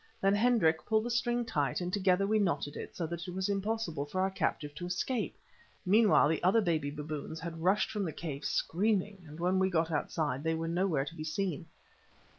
Then Hendrik pulled the string tight, and together we knotted it so that it was impossible for our captive to escape. Meanwhile the other baby baboons had rushed from the cave screaming, and when we got outside they were nowhere to be seen.